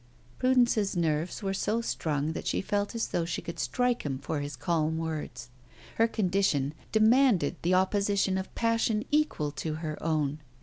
Prudence's nerves were so strung that she felt as though she could strike him for his calm words. Her condition demanded the opposition of passion equal to her own.